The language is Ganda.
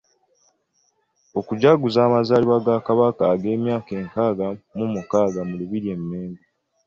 Okujaguza amazaalibwa ga Kabaka ag'emyaka nkaaga mu mukaaga mu Lubiri e Mengo.